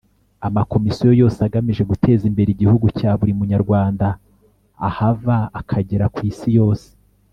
amakomisiyo yose agamije guteza imbere igihugu cya buri munyarwanda ahava akagera ku isi yose